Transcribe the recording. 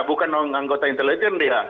bukan anggota intelijen dia